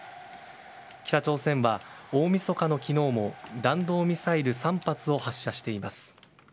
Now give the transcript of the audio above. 北朝鮮は、大みそかの昨日も弾道ミサイル３発を発射しています。